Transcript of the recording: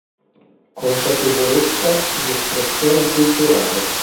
Consapevolezza ed espressione culturale.